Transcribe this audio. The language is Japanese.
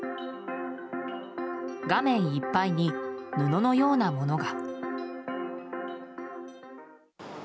画面いっぱいに布のようなものが。